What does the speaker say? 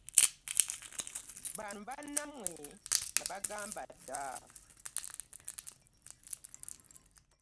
Bano bannammwe nabagamba dda.